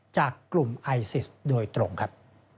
จากกลุ่มไอซิสโดยตรงครับ